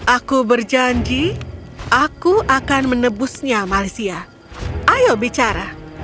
aku berjanji aku akan menebusnya malaysia ayo bicara